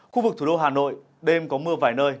khu vực thủ đô hà nội đêm có mưa vài nơi